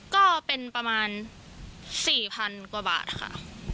ก็เป็นประมาณ๔๐๐๐กว่าบาทค่ะ